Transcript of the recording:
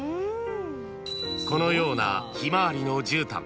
［このようなヒマワリのじゅうたん